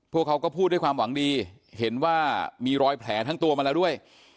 พวกเขาก็พูดด้วยความหวังดีเห็นว่ามีรอยแผลทั้งตัวมาแล้วด้วย